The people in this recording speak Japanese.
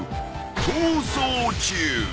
［逃走中］